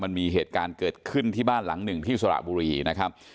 มันมีเหตุการณ์เกิดขึ้นที่บ้านหลังหนึ่งที่สระบุรีนะครับ